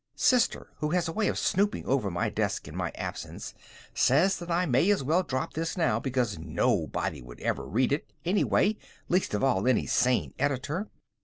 (Sister, who has a way of snooping over my desk in my absence, says that I may as well drop this now, because nobody would ever read it, anyway, least of all any sane editor.